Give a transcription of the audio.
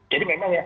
jadi memang ya